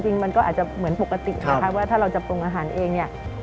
จริงมันก็เหมือนปกติถ้าเราจะปรุงอาหารเอง